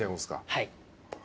はい。